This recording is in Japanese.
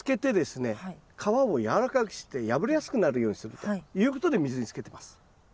破れやすくなるようにするということで水につけてます。